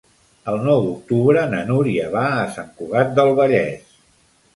El nou d'octubre na Núria va a Sant Cugat del Vallès.